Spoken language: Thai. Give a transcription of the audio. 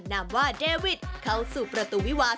นามว่าเดวิดเข้าสู่ประตูวิวา